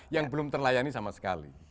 yang belum terlayani sama sekali